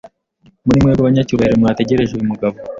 Muri mwebwe banyacyubahiro mwategereje uyu mugabo?